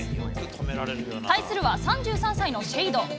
対するは、３３歳のシェード。